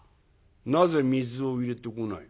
「なぜ水を入れてこない？」。